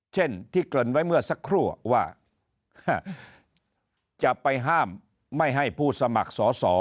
เช่นที่เกริ่นไว้เมื่อสักครู่ว่าจะไปห้ามไม่ให้ผู้สมัครสอสอ